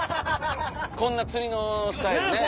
こんな釣りのスタイルね。